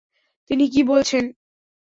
তিনি কী বলছেন?